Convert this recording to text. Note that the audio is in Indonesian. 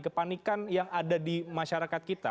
kepanikan yang ada di masyarakat kita